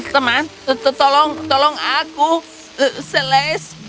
teman tolong aku selis